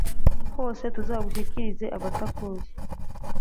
hose, tuzagushyikiriza abatakuzi